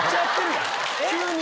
急に！